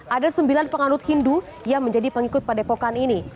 ada sembilan penganut hindu yang menjadi pengikut padepokan ini